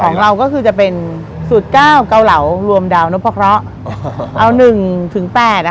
ของเราก็คือจะเป็นสูตรเก้าเกาเหลารวมดาวนพะเคราะห์เอาหนึ่งถึงแปดอ่ะ